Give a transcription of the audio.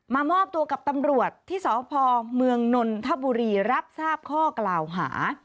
มอบตัวกับตำรวจที่สพเมืองนนทบุรีรับทราบข้อกล่าวหา